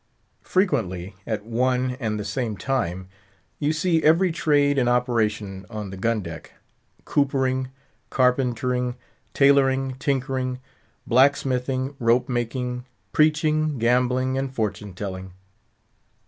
Frequently, at one and the same time, you see every trade in operation on the gun deck—coopering, carpentering, tailoring, tinkering, blacksmithing, rope making, preaching, gambling, and fortune telling.